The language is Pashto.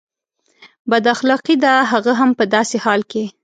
بد اخلاقي ده هغه هم په داسې حال کې.